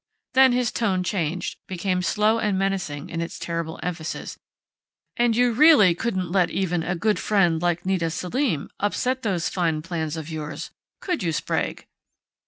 Then his tone changed, became slow and menacing in its terrible emphasis: "_And you really couldn't let even a good friend like Nita Selim upset those fine plans of yours, could you, Sprague?